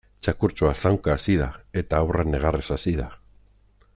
Txakurtxoa zaunka hasi da eta haurra negarrez hasi da.